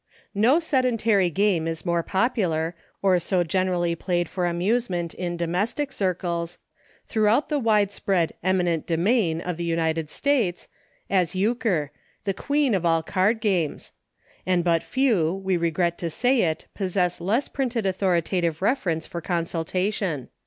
No sedentary game is more popular, or so generally played for amusement in do mestic circles, throughout the wide spread "eminent demesne" of the United States, as Euchre — the Queen of all card games; and but few, we regret to say it, possess less printed authoritative reference for con sultation.